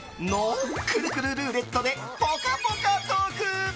くるくるルーレットでぽかぽかトーク。